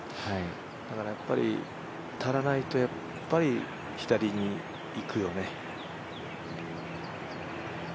だからやっぱり、足らないと左にいくよね。